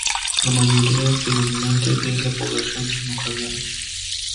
La mayoría predominante de la población son ucranianos.